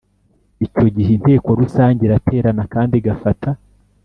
icyo gihe inteko rusange iraterana kandi igafata